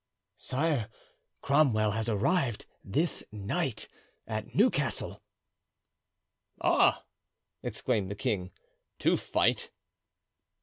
"Sire, Cromwell has arrived this night at Newcastle." "Ah!" exclaimed the king, "to fight?"